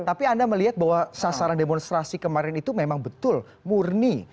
tapi anda melihat bahwa sasaran demonstrasi kemarin itu memang betul murni